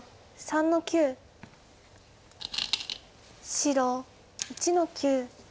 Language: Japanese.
白１の九。